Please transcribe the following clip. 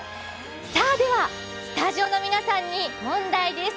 ではスタジオの皆さんに問題です。